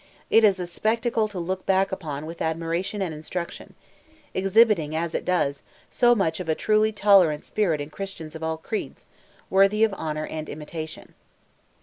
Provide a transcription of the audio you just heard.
It is a spectacle to look back upon with admiration and instruction; exhibiting as it does, so much of a truly tolerant spirit in Christians of all creeds, worthy of all honour and imitation.